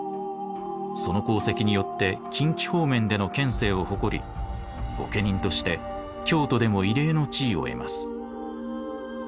その功績によって近畿方面での権勢を誇り御家人として京都でも異例の地位を得ます。